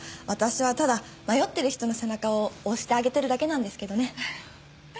私はただ迷ってる人の背中を押してあげてるだけなんですけどね。